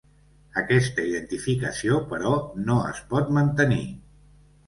Aquesta identificació, però, no es pot mantenir.